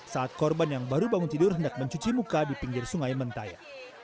saat korban yang baru bangun tidur hendak mencuci muka di pinggir sungai mentaya